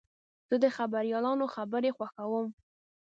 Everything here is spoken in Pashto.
زه د خبریالانو خبرې خوښوم.